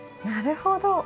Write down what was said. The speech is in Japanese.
なるほど。